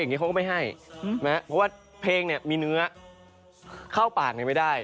เพราะว่าเพลงเนี่ยมีเนื้อเข้าปากแล้วไม่ได้